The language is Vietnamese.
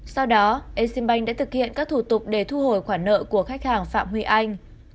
sau đó exim bank đã thực hiện các thủ tục để thu hồi khoản nợ của khách hàng phạm huy anh